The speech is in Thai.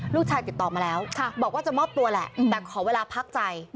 ติดต่อมาแล้วบอกว่าจะมอบตัวแหละแต่ขอเวลาพักใจ